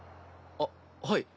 あっはい。